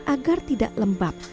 agar tidak lembab